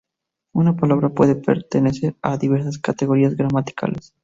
Una palabra puede pertenecer a diversas categorías gramaticales.